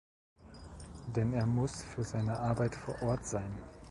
Denn er muss für seine Arbeit vor Ort sein.